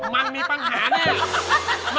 มันมีปัญหาแน่